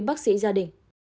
bác sĩ gia đình